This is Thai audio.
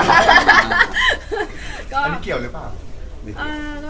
อันนี้เกี่ยวหรือเปล่า